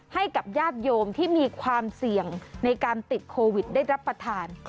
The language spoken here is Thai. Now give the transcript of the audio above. ให้กับญาติโยมที่มีความเสี่ยงในการติดโควิดได้รับประทาน